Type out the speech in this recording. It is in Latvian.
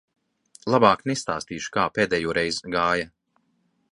Labāk nestāstīšu, kā pēdējoreiz gāja.